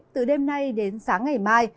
từ đêm nay đến sáng ngày mai